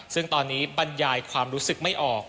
ซึ่งตอนนี้บรรยายความรู้สึกไม่ออก